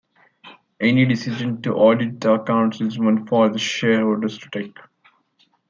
Any decision to audit the accounts is one for the shareholders to take.